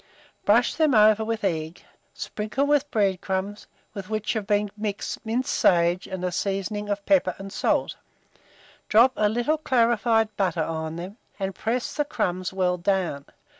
Brush them over with egg, sprinkle with bread crumbs, with which have been mixed minced sage and a seasoning of pepper and salt; drop a little clarified butter on them, and press the crumbs well down.